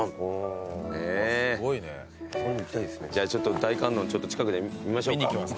じゃあちょっと大観音近くで見ましょうか。